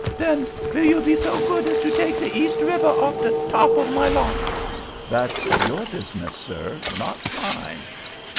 "Den vill you be so good as to take de East River off de top of my lot?" "That's your business, sir, not mine."